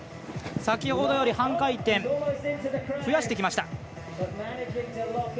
先ほどより半回転増やしてきました。